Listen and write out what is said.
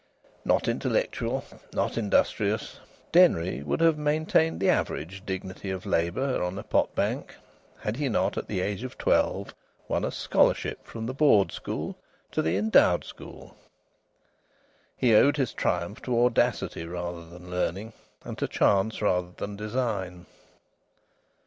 Not intellectual, not industrious, Denry would have maintained the average dignity of labour on a potbank had he not at the age of twelve won a scholarship from the Board School to the Endowed School. He owed his triumph to audacity rather than learning, and to chance rather than design.